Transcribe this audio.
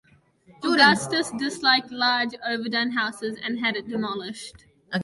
Augustus disliked large overdone houses and had it demolished.